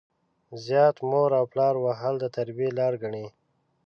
زيات مور او پلار وهل د تربيې لار ګڼي.